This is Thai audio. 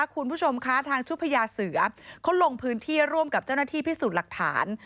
คุณผู้ชมคะทางชุดพญาเสือเขาลงพื้นที่ร่วมกับเจ้าหน้าที่พิสูจน์หลักฐาน